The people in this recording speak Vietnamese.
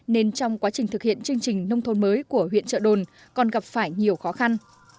nên trong quá trình thực hiện chương trình nông thôn mới của huyện trợ đồn còn gặp phải nhiều khó khăn